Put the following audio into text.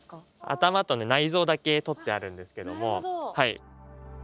頭と内臓だけ取ってあるんですけども。